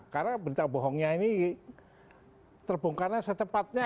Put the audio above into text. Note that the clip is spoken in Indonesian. karena berita bohongnya ini terbongkar secepatnya